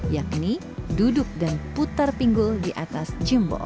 yakni duduk dan putar pinggul di atas jempol